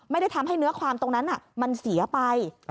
ไม่ได้ทำให้เนื้อความตรงนั้นมันเสียไป